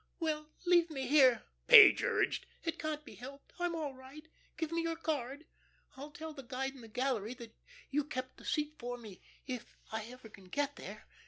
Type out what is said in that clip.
"Well, leave me here," Page urged. "It can't be helped. I'm all right. Give me your card. I'll tell the guide in the gallery that you kept the seat for me if I ever can get there.